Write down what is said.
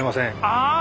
ああ！